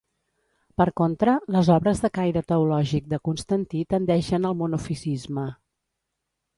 Per contra, les obres de caire teològic de Constantí tendeixen al monofisisme.